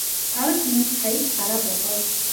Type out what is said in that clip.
Саарал Минж сая л гараа буулгав.